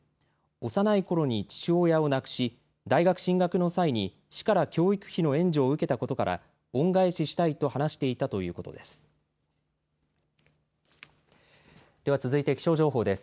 幼いころに父親を亡くし、大学進学の際に市から教育費の援助を受けたことから恩返ししたいと話していたということです。